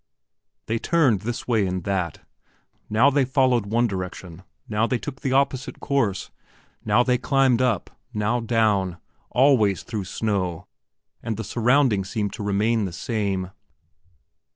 They turned this way and that. Now they followed one direction, now they took the opposite course, now they climbed up, now down, always through snow, and the surroundings seemed to remain the same.